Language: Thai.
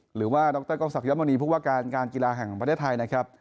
หรือว่าดรกองศักยมณีผู้ว่าการการกีฬาแห่งประเทศไทยนะครับ